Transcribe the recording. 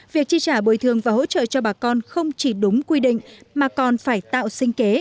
việc chi trả bồi thường và hỗ trợ cho bà con không chỉ đúng quy định mà còn phải tạo sinh kế